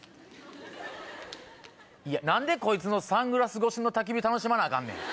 何でこいつのサングラス越しのたき火楽しまなアカンねん。